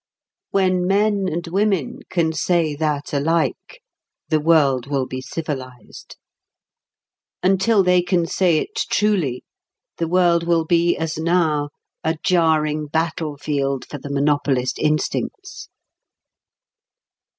When men and women can say that alike, the world will be civilised. Until they can say it truly, the world will be as now a jarring battlefield for the monopolist instincts.